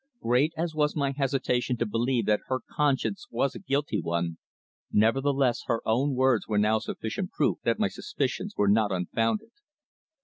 Great as was my hesitation to believe that her conscience was a guilty one, nevertheless her own words were now sufficient proof that my suspicions were not unfounded.